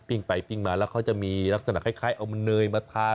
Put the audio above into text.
ไปปิ้งมาแล้วเขาจะมีลักษณะคล้ายเอามาเนยมาทาน